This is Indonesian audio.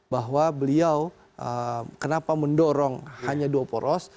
bahwa beliau kenapa mendorong hanya dua poros